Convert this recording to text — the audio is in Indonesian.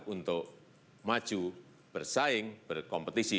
untuk maju bersaing berkompetisi